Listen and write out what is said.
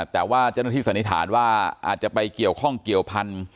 แต่ว่าเจ้าหน้าที่สันนิษฐานว่าอาจจะไปเกี่ยวข้องเกี่ยวพันธุ